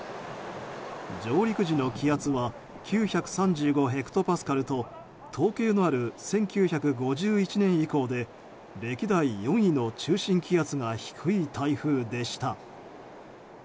上陸時の気圧は９３５ヘクトパスカルと統計のある１９５１年以降で歴代４位の中心気圧が低い台風でした。